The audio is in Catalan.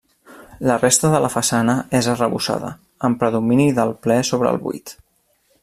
La resta de la façana és arrebossada, amb predomini del ple sobre el buit.